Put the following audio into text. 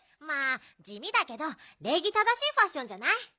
まあじみだけどれいぎ正しいファッションじゃない？